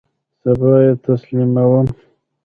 سبا یی تسلیموم